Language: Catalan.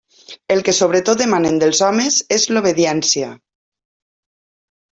El que sobretot demanen dels homes és l'obediència.